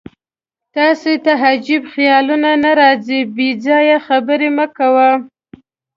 تاسې ته عجیب خیالونه نه راځي؟ بېځایه خبرې مه کوه.